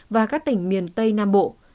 và các tỉnh miền tây nam bộ